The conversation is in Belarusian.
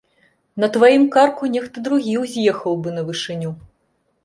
На тваім карку нехта другі ўз'ехаў бы на вышыню.